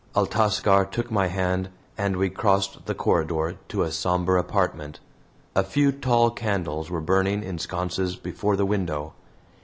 Altascar took my hand, and we crossed the corridor to a somber apartment. A few tall candles were burning in sconces before the window.